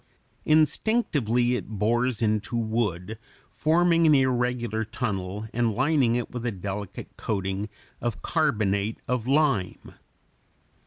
Instinctively it bores into wood, forming an irregular tunnel and lining it with a delicate coating of carbonate of lime.